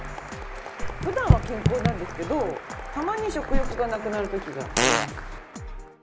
普段は健康なんですけどたまに食欲がなくなる時があります。